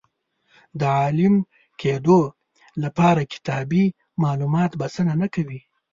د عالم کېدو لپاره کتابي معلومات بسنه نه کوي.